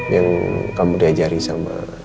yang kamu diajari sama